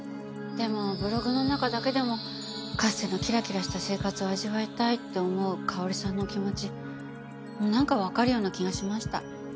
でもブログの中だけでもかつてのキラキラした生活を味わいたいって思う香織さんの気持ちなんかわかるような気がしました。